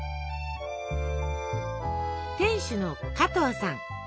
店主の加藤さん。